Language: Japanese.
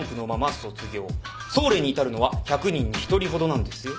太陽に至るのは１００人に１人ほどなんですよ。